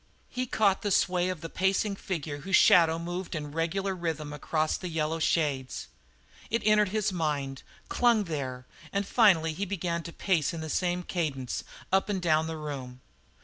He caught the sway of the pacing figure whose shadow moved in regular rhythm across the yellow shades. It entered his mind, clung there, and finally he began to pace in the same cadence, up and down the room.